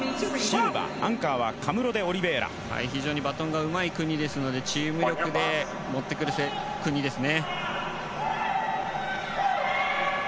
非常にバトンがうまいチームですのでチーム力で持ってくる国ですね。